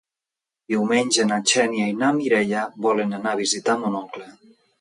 Diumenge na Xènia i na Mireia volen anar a visitar mon oncle.